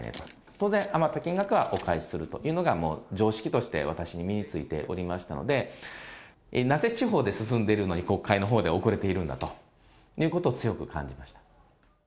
当然、余った金額はお返しするというのが、もう常識として私に身についておりましたので、なぜ地方で進んでいるのに、国会のほうで遅れているんだということを強く感じました。